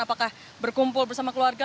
apakah berkumpul bersama keluarga